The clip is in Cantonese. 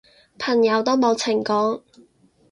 朋友都冇情講